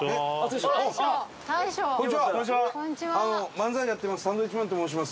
漫才やってます